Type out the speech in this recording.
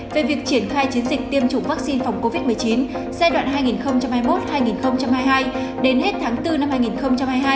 về việc triển khai chiến dịch tiêm chủng vaccine phòng covid một mươi chín giai đoạn hai nghìn hai mươi một hai nghìn hai mươi hai đến hết tháng bốn năm hai nghìn hai mươi hai